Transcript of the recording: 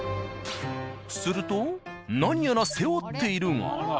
すると何やら背負っているが。